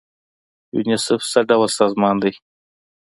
یونیسف څه ډول سازمان دی؟